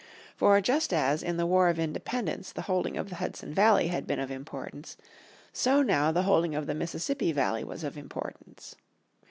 For just as in the War of Independence the holding of the Hudson Valley had been of importance so now the holding of the Mississippi Valley was of importance.